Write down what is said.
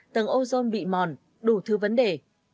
tầng ozone bị mòn đủ thứ vấn đề